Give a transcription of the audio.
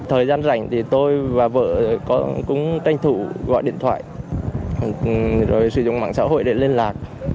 thời gian rảnh thì tôi và vợ cũng tranh thủ gọi điện thoại rồi sử dụng mạng xã hội để liên lạc